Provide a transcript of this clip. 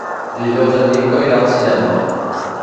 Dijous en Nico irà al cinema.